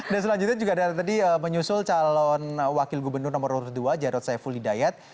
dan selanjutnya juga ada tadi menyusul calon wakil gubernur nomor urut dua jarot saiful hidayat